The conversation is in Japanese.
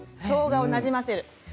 しょうがをなじませる。